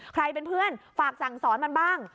ใครเป็นเพื่อนฝากสั่งสอนมันบ้าง